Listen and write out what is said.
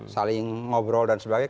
saling ngobrol dan sebagainya